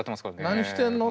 何してんの？